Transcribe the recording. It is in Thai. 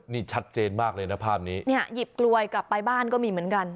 นี่ชัดเจนมากเลยนะภาพนี้เนี่ยหยิบกลวยกลับไปบ้านก็มีเหมือนกัน